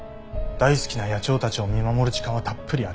大好きな野鳥たちを見守る時間はたっぷりある。